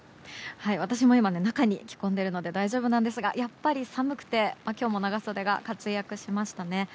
私も今、中に着込んでいるので大丈夫なんですがやっぱり寒くて今日も長袖が活躍しましたね。